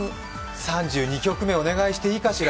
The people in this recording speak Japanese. ３２曲目、お願いしてもいいかしら？